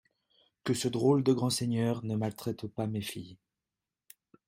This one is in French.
Que ce drôle de grand seigneur ne maltraite pas mes filles.